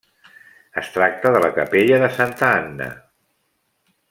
Es tracta de la capella de santa Anna.